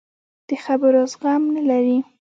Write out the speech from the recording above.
د خبرو زغم نه لري.